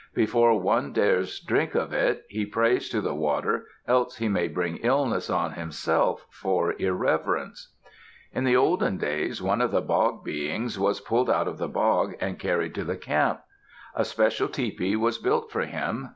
Before one dares drink of it, he prays to the water, else he may bring illness on himself for irreverence. In the olden days, one of the Bog Beings was pulled out of a bog and carried to the camp. A special tepee was built for him.